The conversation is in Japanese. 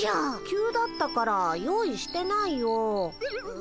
急だったから用意してないよ。